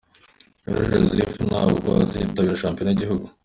Areruya Joseph ntabwo azitabira shampiyona y’igihugu.